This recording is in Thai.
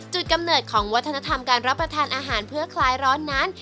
กำเนิดของวัฒนธรรมการรับประทานอาหารเพื่อคลายร้อนนั้น